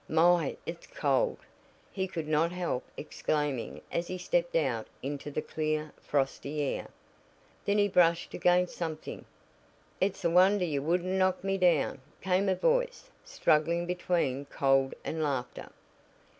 "My, it's cold!" he could not help exclaiming as he stepped out into the clear, frosty air. Then he brushed against something. "It's a wonder you wouldn't knock me down!" came a voice, struggling between cold and laughter.